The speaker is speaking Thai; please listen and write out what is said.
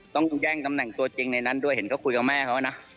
ต้องแย่งตำแหน่งตัวจริงในนั้นด้วยเห็นเขาคุยกับแม่เขานะ